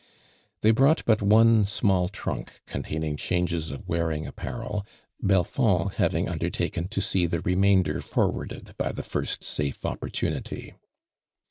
They brought but one small trunk containing changes of wearing apparel, Belfond having under taken to see the remainder forwardetl by the first safe opportunity.